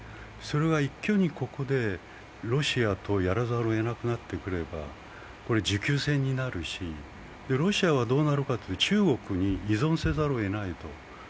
それが一挙にここでロシアとやらざるをえなくなってくれば持久戦になるし、ロシアはどうなるかというと中国に依存せざるをえないと。